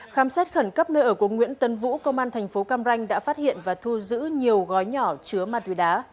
khám xét khẩn cấp nơi ở của nguyễn tấn vũ công an thành phố cam ranh đã phát hiện và thu giữ nhiều gói nhỏ chứa ma túy đá